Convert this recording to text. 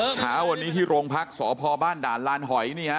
เช้าวันนี้ที่โรงพักษพบ้านด่านลานหอยนี่ฮะ